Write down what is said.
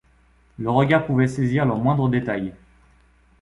Le regard pouvait saisir leurs moindres détails.